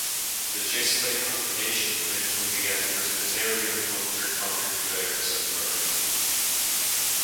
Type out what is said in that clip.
The Chesley congregation eventually began the Presbyterian Reformed Church under the guidance of Murray.